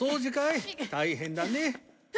大変だね。